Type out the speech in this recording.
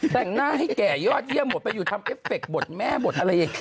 แต่งหน้าให้แก่ยอดเยี่ยมหมดไปอยู่ทำเอฟเคบทแม่บทอะไรอย่างนี้